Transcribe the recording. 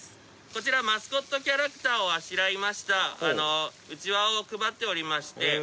こちらマスコットキャラクターをあしらいましたうちわを配っておりまして。